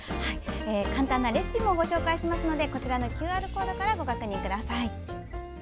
簡単なレシピもご紹介しますのでこちらのＱＲコードからご確認ください。